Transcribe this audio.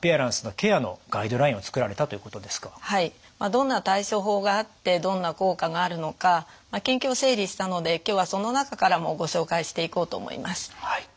どんな対処法があってどんな効果があるのか研究を整理したので今日はその中からもご紹介していこうと思います。